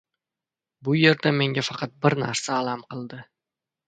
Bu yerda menga faqat bir narsa alam qildi.